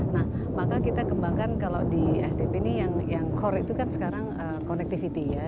nah maka kita kembangkan kalau di sdp ini yang core itu kan sekarang connectivity ya